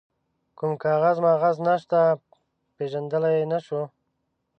کوم کاغذ ماغذ نشته، پيژندلای يې نه شو.